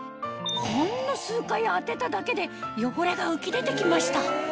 ほんの数回当てただけで汚れが浮き出て来ました